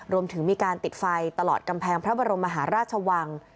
รวมถึงมีการติดไฟตลอดกำแพงพระบรมมหาราชวัง